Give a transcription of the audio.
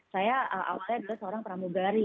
saya awalnya dulu seorang pramugari